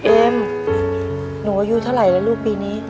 เอ็มหนูอายุเท่าไหร่แล้วลูกปีนี้